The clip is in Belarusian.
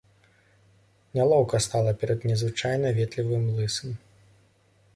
Нялоўка стала перад незвычайна ветлівым лысым.